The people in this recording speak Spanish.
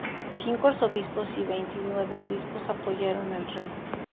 Cinco arzobispos y veintinueve obispos apoyaron al rey.